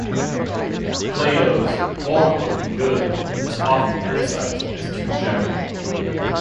Plato's Form of the Good is often criticized as too general.